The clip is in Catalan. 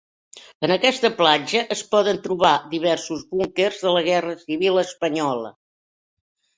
En aquesta platja es poden trobar diversos búnquers de la Guerra Civil Espanyola.